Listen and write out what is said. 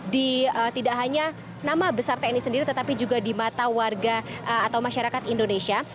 di tidak hanya nama besar tni sendiri tetapi juga di mata warga atau masyarakat indonesia